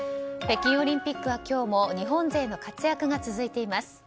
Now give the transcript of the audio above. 北京オリンピックは今日も日本勢の活躍が続いています。